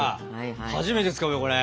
初めて使うよこれ。